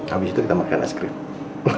habis itu kita makan es krim